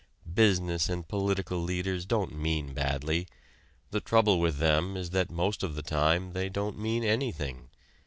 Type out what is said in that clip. Business and political leaders don't mean badly; the trouble with them is that most of the time they don't mean anything.